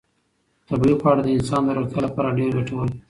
طبیعي خواړه د انسان د روغتیا لپاره ډېر ګټور دي.